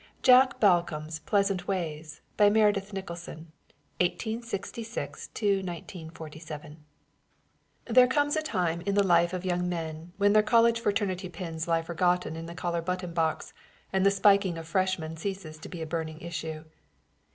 JACK BALCOMB'S PLEASANT WAYS BY MEREDITH NICHOLSON There comes a time in the life of young men when their college fraternity pins lie forgotten in the collar button box and the spiking of freshmen ceases to be a burning issue.